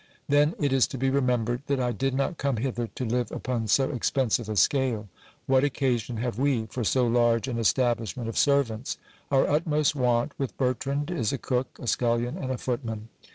Then it is to be remembered, that I did not come hither to live upon so ex pensive a scale. What occasion have we for so large an establishment of serv ants ? Our utmost want, with Bertrand, is a cook, a scullion, and a footman.